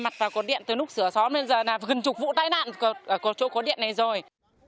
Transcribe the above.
mặt vào cột điện từ lúc sửa sót bây giờ là gần chục vụ tai nạn ở chỗ cột điện này rồi